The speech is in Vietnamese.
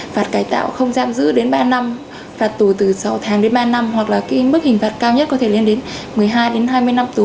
phạt cải tạo không giam giữ đến ba năm phạt tù từ sáu tháng đến ba năm hoặc là cái mức hình phạt cao nhất có thể lên đến một mươi hai đến hai mươi năm tù